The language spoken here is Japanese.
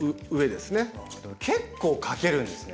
でも結構かけるんですね。